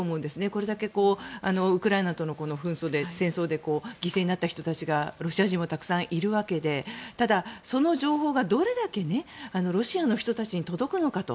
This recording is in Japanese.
これだけウクライナとの戦争で犠牲になった人たちがロシア人もたくさんいるわけでただ、その情報がどれだけロシアの人たちに届くのかと。